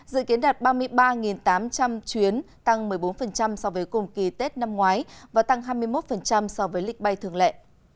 dự kiến đạt ba mươi ba tám trăm linh chuyến tăng một mươi bốn so với cùng kỳ tết năm ngoái và tăng hai mươi một so với lịch bay thường lệ